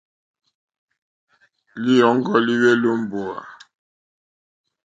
Lǐyɔ̀ŋgɔ́ líhwélì ó mbówà.